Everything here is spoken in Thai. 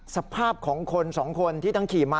สภาพของคนสองคนที่ทั้งขี่มา